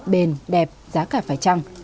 bền đẹp giá cả phải trăng